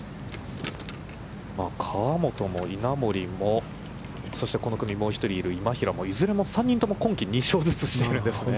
河本も、稲森も、そしてこの組、もう一人いる今平も３人とも、今季２勝ずつしているんですね。